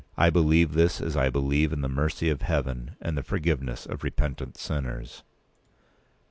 I believe this as I believe in the mercy of Heaven and the forgiveness of repentant sinners.